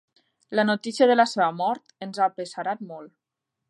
La notícia de la seva mort ens ha apesarat molt.